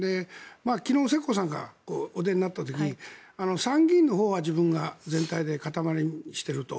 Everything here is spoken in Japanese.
昨日世耕さんがおいでになった時参議院のほうは自分が全体で固まりにしていると。